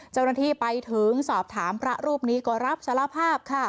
เจ้าหน้าที่ไปถึงสอบถามพระรูปนี้ก็รับสารภาพค่ะ